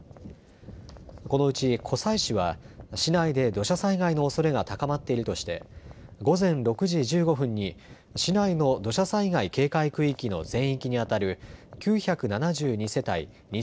このうち湖西市は市内で土砂災害のおそれが高まっているとして午前６時１５分に市内の土砂災害警戒区域の全域にあたる９７２世帯２３５０